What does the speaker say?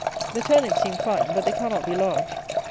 The turnips seem fine; but they cannot be large.